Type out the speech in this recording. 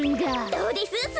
どうです？